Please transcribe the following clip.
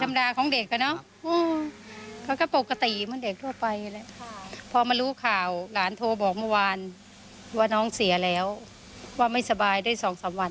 อาหารโทรบอกเมื่อวานว่าน้องเสียแล้วว่าไม่สบายได้สองสามวัน